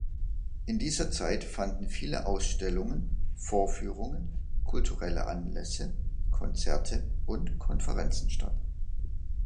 In dieser Zeit fanden viele Ausstellungen, Vorführungen, kulturelle Anlässe, Konzerte und Konferenzen statt.